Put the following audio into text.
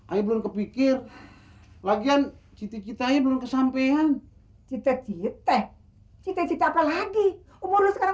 aja belum kepikir lagian citi citanya belum kesampean cita cita cita cita lagi umur sekarang